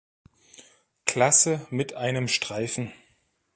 Klasse mit einem Streifen.